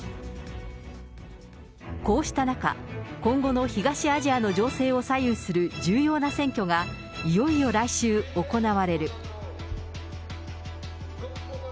こうした中、今後の東アジアの情勢を左右する重要な選挙が、いよいよ来週行われる。